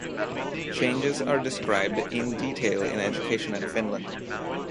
Changes are described in detail in Education in Finland.